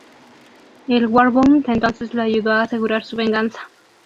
El Warbound entonces lo ayudó a asegurar su venganza.